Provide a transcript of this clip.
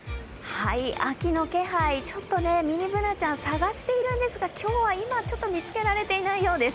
秋の気配、ちょっとミニＢｏｏｎａちゃん探しているんですが今日は、今はちょっと見つけられていないようです。